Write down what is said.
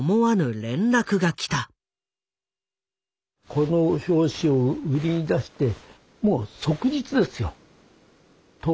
この表紙を売りに出してもう即日ですよ。